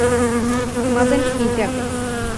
Madden y Gabe.